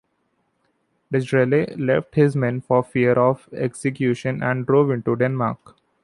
Degrelle left his men, for fear of execution, and drove into Denmark.